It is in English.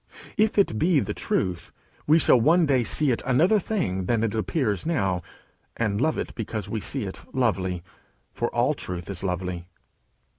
If it be the truth, we shall one day see it another thing than it appears now, and love it because we see it lovely; for all truth is lovely.